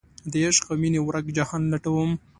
دعشق اومینې ورک جهان لټوم